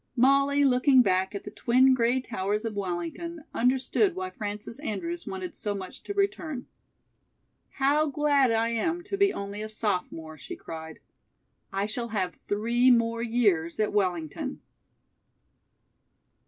Molly, looking back at the twin gray towers of Wellington, understood why Frances Andrews wanted so much to return. "How glad I am to be only a sophomore," she cried. "I shall have three more years at Wellington!"